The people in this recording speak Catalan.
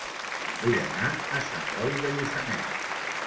Vull anar a Sant Boi de Lluçanès